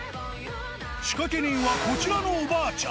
仕掛け人は、こちらのおばあちゃん。